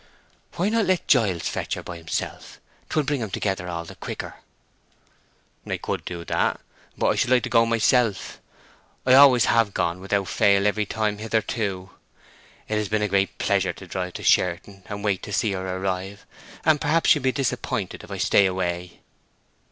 "Why not let Giles fetch her by himself? 'Twill bring 'em together all the quicker." "I could do that—but I should like to go myself. I always have gone, without fail, every time hitherto. It has been a great pleasure to drive into Sherton, and wait and see her arrive; and perhaps she'll be disappointed if I stay away."